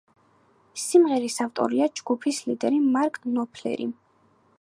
სიმღერის ავტორია ჯგუფის ლიდერი მარკ ნოპფლერი.